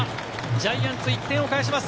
ジャイアンツ、１点をかえします。